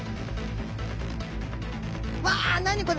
うわ何これ。